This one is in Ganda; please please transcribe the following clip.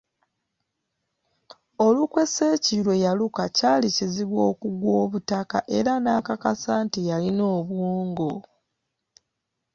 Olukwe Sseeki lwe yaluka kyali kizibu okugwa obutaka era nakakasa nti yalina obwongo.